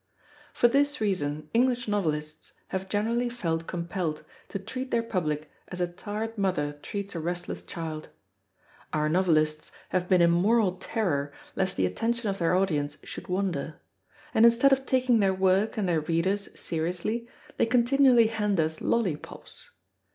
For this reason, English novelists have generally felt compelled to treat their public as a tired mother treats a restless child. Our novelists have been in mortal terror lest the attention of their audience should wander; and instead of taking their work and their readers seriously, they continually hand us lollipops.